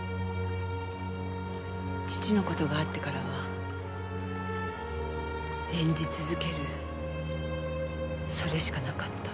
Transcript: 父の事があってからは演じ続けるそれしかなかった。